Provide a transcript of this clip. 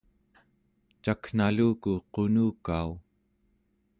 caknaluku qunukau?